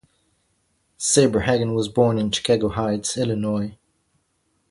Saberhagen was born in Chicago Heights, Illinois.